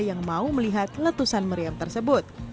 yang mau melihat letusan meriam tersebut